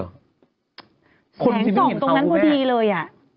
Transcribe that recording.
แสงส่องตรงนั้นพอดีเลย